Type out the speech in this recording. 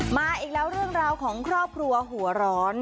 มาอีกแล้วเรื่องราวของครอบครัวหัวร้อน